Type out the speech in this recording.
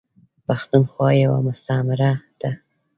پښتونخوا یوه مستعمیره ده .